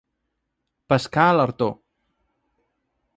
Pescar a l'artó.